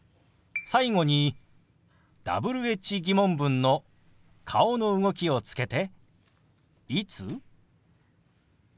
最後にＷｈ−疑問文の顔の動きをつけて「いつ？」。